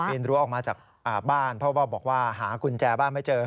รั้วออกมาจากบ้านเพราะว่าบอกว่าหากุญแจบ้านไม่เจอ